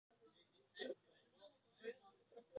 どうしましたか？